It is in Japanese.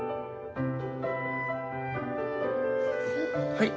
はい。